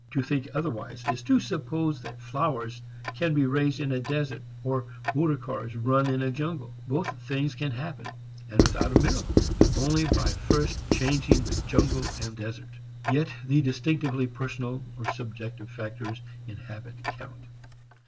To think otherwise is to suppose that flowers can be raised in a desert or motor cars run in a jungle. Both things can happen and without a miracle. But only by first changing the jungle and desert. Yet the distinctively personal or subjective factors in habit count.